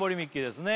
ですね